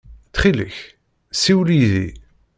Ttxil-k, ssiwel yid-i.